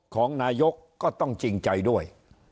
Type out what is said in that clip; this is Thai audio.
ของนายกก็ต้องจริงใจด้วย